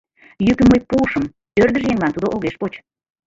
Йӱкым мый пуышым — ӧрдыж еҥлан тудо огеш поч.